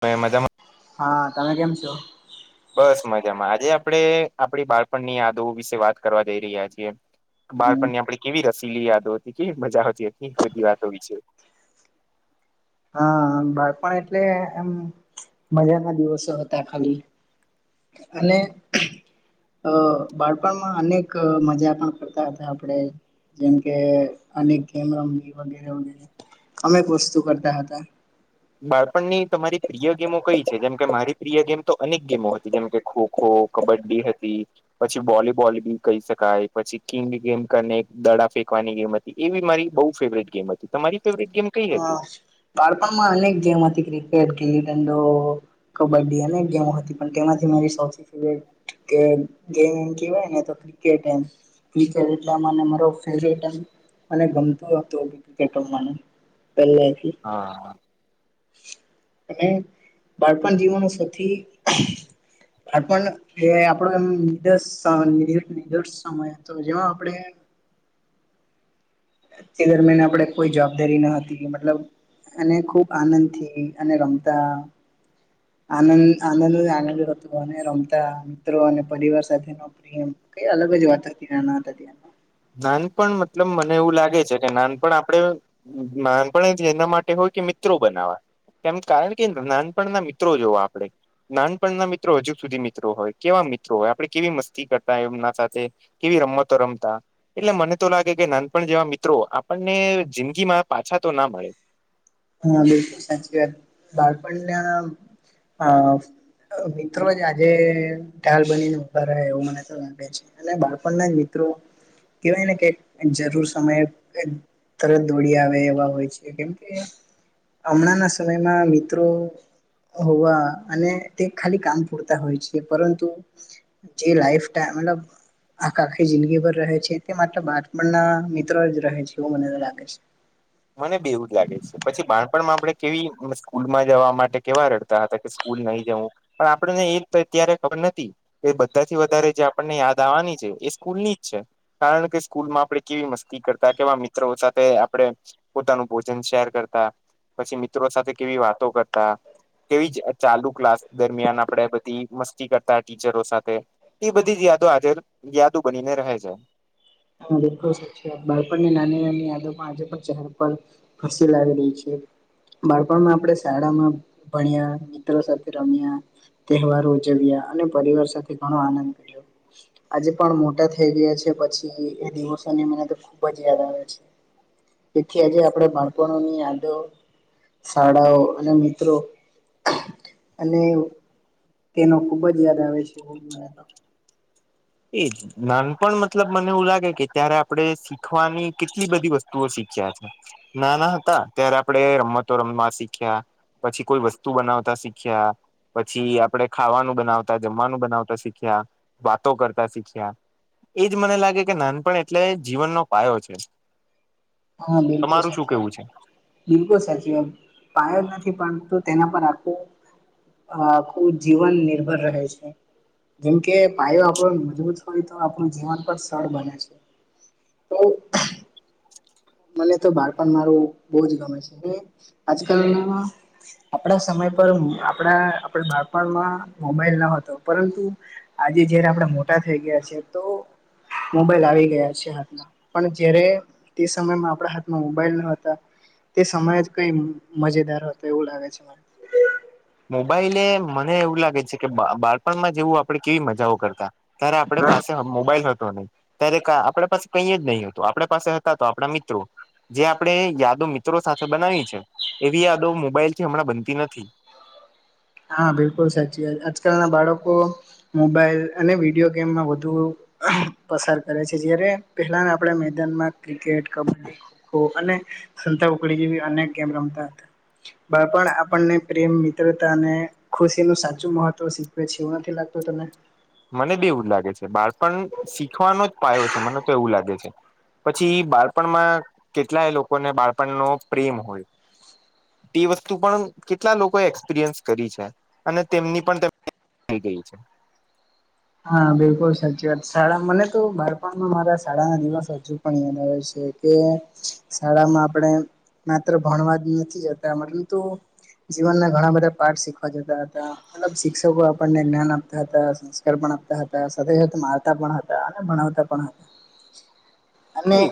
મે મજામાં હા તમે કેમ છો? બસ મજામાં. આજે આપણે આપણી બાળપણની યાદો વિશે વાત કરવા જઈ રહ્યા છીએ. હમ બાળપણની આપડી કેવી રસીલી યાદો હતી, કેવી મજા આવતી હતી બધી વાતો વિશે. [inaudible] હા બાળપણ એટલે એમ મજા ના દિવસો હતા ખાલી. અને અ બાળપણમાં અનેક મજા પણ કરતા હતા આપણે. જેમ કે અનેક ગેમ રમવી વગેરે વગેરે અનેક વસ્તુ કર તા હતા. બાળપણની તમારી પ્રિય ગેમો કઈ છે? જેમકે મારી પ્રિય ગેમ તો અનેક ગેમો હતી, જેમકે ખો ખો, કબડ્ડી હતી, પછી વોલીબોલ બી કહી શકાય, પછી કિંગ ગેમ કનેક દ ડા ફેંઈવાની ગેમ હતી, એવી મારી બહુ ફેવરેટ ગેમ હતી. તમારી ફેવરેટ ગેમ કઈ હા, હતી? બાળપણમાં અનેક ગેમ હતી, ક્રિક્રેટ, ગીલી દંડો, કબડ્ડી અનેક ગેમો હતી. પણ તેમાંથી મારી સૌથી ફેવરેટ કે ગેમ કેવાય ને, તો ક્રિકેટ એમ [unintelligible] પેલેથી હા અને બાળપણ જીવનનો સૌથી બાળપણ એ આપણો એમ [unintelligible] સમય હતો, જેમાં આપણે [inaudible] તે દરમિયાન આપણેે કોઈ જવાબદારી ન હતી. મતલબ અને ખૂબ, આનંદથી અને રમતા આનંદ-આનંદ ને આનંદ જ હતો, અને રમતા મિત્રો અને પરિવાર સાથેનો પ્રેમ કંઈ અલગ જ વાત હતી નાના હતા ત્યાંરની. નાનપણ મતલબ મને એવું લાગે છે કે નાનપણ આપણે નાનપણ જ એના માટે હોય કે મિત્રો બનાવા. એમ કારણ કે ન નાનપણ ના મિત્રો જોવા આપણે, નાનપણ ના મિત્રો હજુ સુધી મિત્રો હોય [unintelligible] મિત્રો હોય, આપડે કેવી મસ્તી કરતા એમના સાથે, કેવી રમતો રમતા એટલે મને તો લાગે કે નાનપણ જેવા મિત્રો આપણને જિંદગી માં પાછા તો ના મળે. હા બિલકુલ સાચી વાત. બાળપણના અહ અહ મિત્રો જ આજે ઢાલ બનીને ઉભા રહે એવું મને તો લાગે છે, અને બાળપણના જ મિત ત્રો કહેવાયને કે જરૂર સમયે તરત દોડી આવે એવા હોય છે કેમ કે હમણાં ના સમયમાં મિત્રો હોવા અને તે ખાલી કામ પૂરતા હોય છે, પરંતુ જે લાઈફ ટા મતલબ આખ આખી જિંદગીભર રહે છે તે માત્ર બાળપણના મિત્રો જ રહે છે, એવું મને લાગે છે. પણ્મ આપણે કેવી સ્કૂલ માં જવા માટે કેવા રડતા હતા કે સ્કૂલ નહી જવું, પણ આપડને એ [unintelligible] ત્યારે ખબર નતી કે બધાથી વધારે જે આપણને યાદ આવવાની છે એ સ્કૂલની જ છે કારણ કે સ સ્કૂલમાં આપણે કેવી મસ્તી કરતા કેવા મિત્ર ઓ સાથે આપણેે પોતાનું ભોજન શેર કરતા, પછી મિત્રો સાથે કેવી વાતો કરતા કેવી ચ ચાલુ ક્લાસ દરમિયાન આપણે બધી મસ્તી કરતા ટીચરો સાથે, એ બધી જ યાદો આજર યાદુ બનીને રહે છે. [unintelligible] બાળપણની નાની-નાની યાદો પણ આજે પણ ચહેરા પર હસી લાવી દે છે. બાળપણમાં આપણે શાળામાં ભણ્યા, મિત્રો સાથે રમ્યા, તહેવારો ઉજવ્યા અને પરિવાર સાથે ઘણો આનંદ માણ્યો. આજે પણ મોટા થઈ ગયા છે પછી એ એ દિવસોની મને તો ખુબ જ યાદ આવે છે. તેથી આજે આપણેે બાળપણો ની યાદો શાળાઓ અને મિત્રો અને એનો ખુબ જ યાદ આવે છે. એ જ. નાનપણ મતલબ મને એવું લાગે કે ત્યારે આપણે શીખવાની કેટલી બધી વસ્તુઓ શીખ ખ્યા, તા નાના હતા ત્યારે આપણે રમતો રમવા શીખ્યા પછી, કોઈ વસ્તુ બનાવતા શીખ્યા પછી આપડે ખાવાનું બનાવતા, જમવાનું બનાવતા શીખ્યા, બા તો કરતા શીખ્યા, એજ મને લાગે કે નાનપણ એટલે જીવનનો પાયો છે. હા, બિલકુલ તમારું શું સાચી વાત, કેવું છે? બિલકુલ સાચી વાત પાયો નથ થી પરંતુ તેના પર આખું અહ આખુ, જીવન નિર્ભર રહે છે. જેમકે પાયો આપણો મજબૂત હોય, તો આપણું જીવન પણ સરળ બને છે. તો મને તો બાળપણ મારું બહુ જ ગમે છને, આજકાલના આપડા સમય [unintelligible] આપણા આપણા બાળપણમાં મોબાઈલ ન હતો, પરંતુ આજે જયારે આપણે મો ટા ગયા છે. તો મોબાઈલ આવી ગયા છે હાથમાં, પણ જ્યારે તે સમયમાં આપણા હાથમાં મોબાઈલ ન હતા તે સમયે જ કંઈ મજેદાર હતો એવું લાગે છે મને. મોબાઈલે મને એવું લાગે છે કે બા બાળપણમાં જેવું આપડે કેવી મજાઓ કરતા ત્યારે આપડે પાસે મોબાઈલ હત તો નહીં. ત્યારે કા આપણે પાસે કઈ જ નહી હતું. આપણે પાસે હતા તો આપણા મિત્રો. જે આપણે યાદો મિત્રો સાથે બનાવી છે, એવી યાદો મોબાઈલ થી હમણાં બનતી નથી. હા બિલકુલ સાચી વાત. આજકાલના બાળકો મોબાઈલ અને વિડીયો ગેમમાં વધુ પસાર કરે છે. જ્યારે પહેલાના આપણે મેદાનમાં ક્રિકેટ, કબડ્ડી, ખોખો અને સંતાકુકડી જેવી અનેક ગેમ રમતા હતા. બાળપણ આપણને પ્રેમ, મિત્ર- [unintelligible] અને ખુશી નું સાચું મહત્વ શીખવે છે, એવું નથી લાગતું તને? મને બી એવુજ લાગે છે, બાળપણ શીખવાનો જ પાયો છે, મને તો એવું લાગે છે. પછી બાળપણમાં કેટલાય, લોકોને બાળપણનો પ્રેમ હોય તે વસ્તુ, પણ કેટલા લોકોએ એક્સપિરિયન્સ કરી છે. અને તેમની પણ થઈ ગઈ છે. હા, બિલકુલ સાચી વાત. શાળા મને તો બાપણમાં મારા શાળા ના દિવસ હજુ, પણ યાદ આવે છે. કે-કે શાળામા, આપણે માત્ર ભણવા જ નથી જતા પરંતુ જીવન ના ઘણા બધા પાઠ શીખવા જતા હતા, મતલબ શિક્ષકો આપણને જ્ઞાન આપતા હતા. [unintelligible] આપતા હતા, સાથે મારતા પણ હતા અને ભણાવતા પણ હતા. અને એ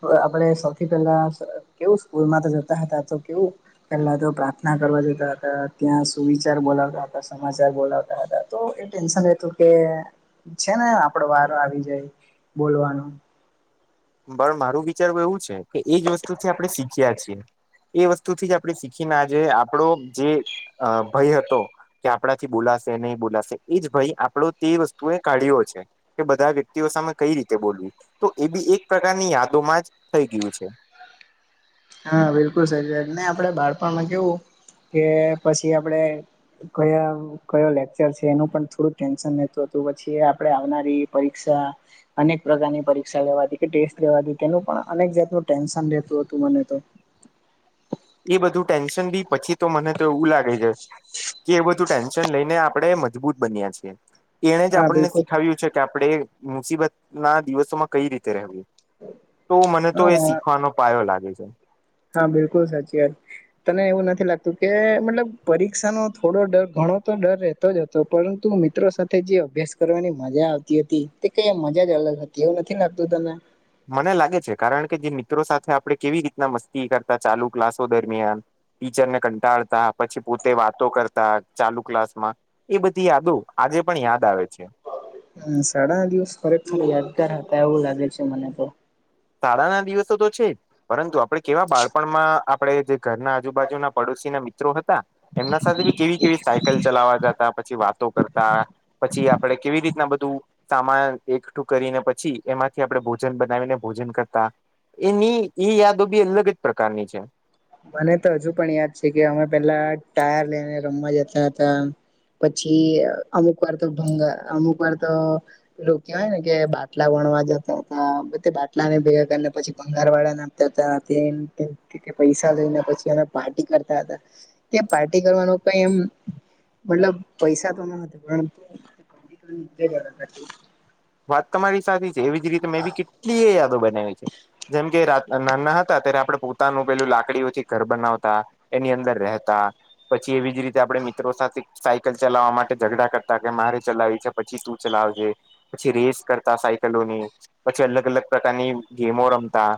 પ આપડે સૌથી પહેલા બ કેવું સ્કૂલમા તો જતા હતા, તો કેવું પેલા તો પ્રાર્થના કરવા જતાં હતા, ત્યાં સુવિચાર બોલાવતા હતા, સમાચાર બોલાવતા હતા તો એટ ઈન્સાન એટેલું કે છેને, આપડો વાર આવી જાય બોલવાનો. પણ મારું વિચારવું એવુ છે, કે એજ વસ્તુથી આપણે શીખ્યા છીએ. એ વસ્તુથી જ આપણે શીખીને આજે આપડો જે અહ ભય હતો, કે આપણાથી બોલા શે નહી, બોલાશે, ઈ જ ભય આપડો તે વસ્તુ એ કાઢ્યો છે, કે બધા વ્યક્તિઓ સામે કઈ રીતે બોલ [unintelligible] તો એ બી એક પ્રકારની યાદોમાં જ થઈ ગયું છે. હા, બિલકુલ સાચી વાતને આપડે બાળપણમાં કેવું કે પછી આપડે કયા કયો લેક્ચર છે, એનું પણ થોડુંક ટેન્શન રહેતું હતુ, પછી આપડે આવનારી પરીક્ષ ક્ષા, અનેક પ્રકારની પરીક્ષા લેવાતી કે ટેસ્ટ લેવાતી તેનું પણ અનેક જાતનું ટેન્શન રહેતું હતુ મને. તો એ બધું ટેન્શન બી પછી, તો મને તો એવું લાગે છે કે એ બધું ટેન્શન લઈને આપણે મજબૂત બનયા છીએ, એણે જ હા આપણને બિલકુલ શીખાવ્યું છે કે આપણે મુસીબત ના દિવસોમાં કઈ રીતે રહેવું. તો મને તો એ હા શીખવાનો પાયો લાગે છે. હા, બિલકુલ સાચી વાત તને એવું નથી. લાગતુ કે મતલબ પરીક્ષા નો થોડો ડર ઘ ઘો, તો ડર રહેતો જ હતો પરંતુ મિત્રો સાથે જે અભ્યાસ કરવાની મજા આવતી હતી તે કય મજા જ લગ હતી એવુ નથી, લાગતું તને મને લાગે છે, કારણ કે જે મિત્રો સાથે આપણે કેવી રીતના મસ્તી કરતા ચાલુ ક્લાસો દરમિયાન ટીચર ને કંટાળતા પછી, પોતે વાતો કરતા ચાલુ ક્લાસ માં એ બધી યાદો આજે, પણ યાદ આવે છે. અહ શાળાના દિવસ ખરેખર યાદગાર હતા એવું લાગે છે મને તો. શાળાના દિવસો તો છે પરંતુ આપડે કેવા બાળપણમાં આપડે જે ઘરના આજુબાજુના પડોશ છીના મિત્રો હતા એમના સાથે બી કેવી કેવી કલ ચલાવા જતા પછી વાતો કરતા પછી આપડે કેવી રીતના બધું સામાન એકઠું કરીને પછી એમાંથી આપણે ભોજન બનાવીને ભોજન કરતા એની એ યાદો બી અલગ જ પ્રકારની છે. મને તો હજુ પણ યાદ છે કે અમે પેહલા ટાયર લઈને રમવા જતા હતા. પછી અમુક વાર તો ભંગા અમુક વાર તો પેલું કેવાય ને કે બાટલા ણવા જતા તા ન તે બાટલા ને ભેગા પછી ભંગાર વાળાને આપતા હતા તેમ તે કે કે પૈસા ને પછી અમે પાર્ટી કરતા હતા, ત પાર્ટી કરવાનું કઈ એમ મતલબ પૈસા તો ન હતા, પર તમારી, સાથે જ એવી જ રીતે મે બી કેટલી એ યાદો બનાવી છે. જેમ કે રાત નાના હતા ત્યારે આપડે પોતાનું પેલું લાકડી ઓછી, ઘર બનાવતા એની અંદર રહેતા પછી એવી જ રીતે આપડે મિત્રો સાથે સાયકલ ચલાવવા માટે ઝઘડા કરતા કે મારે ચલાવી છે. પછી, તુ ચલાવ આવજે પછી, રેસ કરતા સાયકલોની પછી, અલગ, અલગ પ્રકારની ગેમો રમતા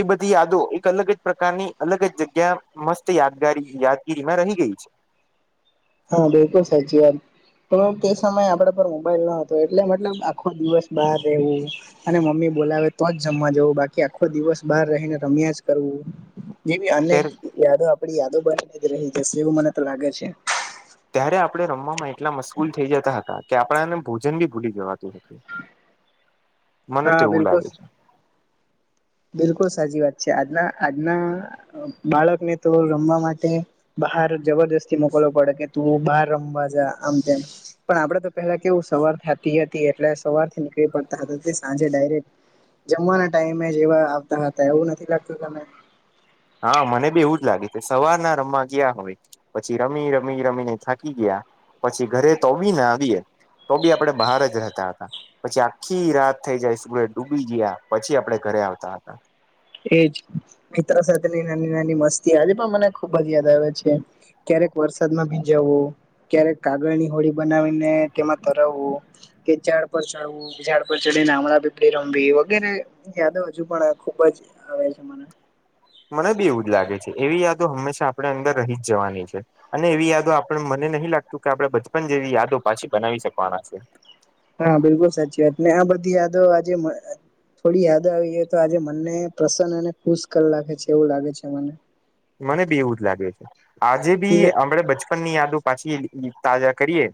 એ બધી યાદો એક અલગ જ પ્રકારની અલગ જ, જગ્યા મસ્ત યાદગારી યાદગીરીમાં રહી ગઈ છે. [inaudible] હા, બિલકુલ સાચી વાત. તો તે સમય આપડા પર મોબાઈલ ન હતો એટલે મતલબ આખો દિવસ બહાર રહેવું અને મમ્મી બોલાવે તો જ જમવા જવું બાકી આખો દિવસ બહાર રહીને રમ્યા જ કરવું. જેવી અનેક યાદો આપડી યાદો બનીને જ રહી જશે એવું મને તો લાગે છે. ત્યારે આપણે રમવામાં એટલા મશગૂલ થઈ જતા હતા કે આપણાને ભોજન બી ભૂલી જવાતું હતું. મને હા તેવું બિલકુલ લાગે છે. બિલકુલ સાચી વાત છે આજના આજના બાળકને તો રમવા માટે હાર જબરજસ્તી મોકલવો પડે કે તું બહાર રમવા જા આમ તેમ પણ આપડે તો પેહલા કેવું સવા વાર થતી હતી એટલે સવારથી નીકળી પડતા સાંજે ડાયરેક જમવાના ટાઈમે જેવા આવતા હતા એવું નથી લાગતું તમે? હા, મને બી એવું જ લાગે છે. સવારના રમવા ગયા હોય વે પછી રમી રમી રમીને થાકી ગયા. પછી ઘરે તો આવી ના આવીએ તો બી આપડે બહાર જ રહેતા હતા. પછી આખી રાત થઈ જાય સૂરજ ડૂબી જ્યા પછી આપડે ઘર ઘરે આવતા હતા. એજ મિત્ર સાથેની નાની નાની મસ્તી આજે પણ મને ખુબ જ યાદ આવે છે. ક્યારેક વરસાદમાં ભીંજવવું, ક્યારેક કાગળની હોડી બનાવીને તેમાં તરવવું કે ઝાડ પર ચડવું, ઝાડ પર ચડને આમણા પીપડી રમવી વગેરે યાદો હજુ પણ ખુબ જ આવે છે મને. મને બી એવું જ લાગે છે. એવી યાદો હંમેશા આપડે અંદર રહી જ જવાની છે અને એવી યાદો આપડે મને નહી લાગતું કે આપડે બચપન જેવી યાદો પાછી બનાવી શકવાના છે. હા, બિલકુલ સાચી વાત ને આ બધી યાદો આજે મ થોડી યાદ આવી તો આજે મનને પ્રસન્ન અને ખુશ કર લાખે છે એવું લાગે છે મને મને બી એવું જ લાગે. આજે બી ને હમણાં બચ પણની યાદૉ પાછી તાજા કરીએ.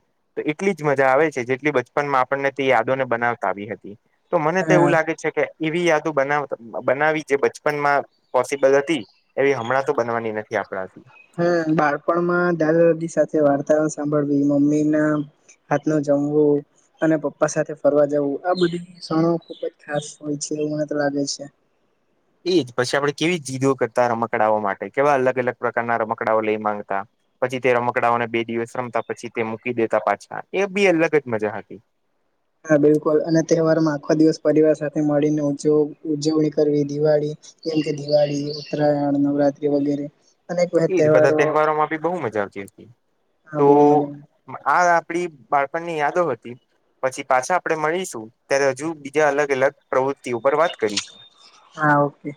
એટલી જ મજા આવે છે જેટલી બચપનમાં આપણને તે યાદોને બનાવતા આવી હતી. તો મને તો એવું હા લાગે છે કે એવી યાદો બનાવ બનાવી જે બચપનમાં પોસિબલ હતી એવી હમણાં તો બનવાની નથી આપડાથી. હમ્મ, બાળપણમાં દાદા દાદી સાથે વાર્તાઓ સાંભળવી, મમ્મીના હાથનો જ જમવું અને પપ્પા સાથે ફરવા જવું. આ બધી ક્ષણો ખુબ જ ખાસ હોય છે મને તો લા લે છે. પછી, આપણે કેવી જીદો કરતા રમકડાઓ માટે કેવા અલગ અલગ પ્રકારના રમકડાઓ લઈ માંગતા પ પછી તે રમકડાવાને બે દિવસ રમતા પછી તે મૂકી દેતા પાછા એ બી અલગ જ મજા હતી. હા, બિલકુલ અને તહેવાર માં આખો દિવસ પરિવાર સાથે મળીને ઉજવણી કરવી દિવાળી જેમ કે દિવાળી ઉત્તરાયણ, નવરાત્રી વગેરે અનેક એ જ બધા તહેવારો તહેવારોમા, બી બહુ મજા આવતી. હતી હા, બહુ મજામા આપણી બાળપણની યાદો હતી. પછી, પાછા આપણે મળીશું ત્યારે હજુ બીજા અલગ અલગ પ્રવૃતિ તે ઉપર વાત કરીશું. હા ઓકે